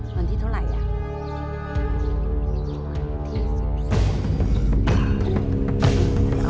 วันที่เท่าไหร่อ่ะ